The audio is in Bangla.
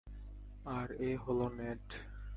আর এ হলো নেড।